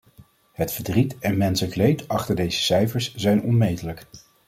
Het verdriet en menselijk leed achter deze cijfers zijn onmetelijk.